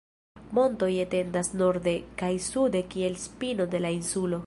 Montoj etendas norde kaj sude kiel spino de la insulo.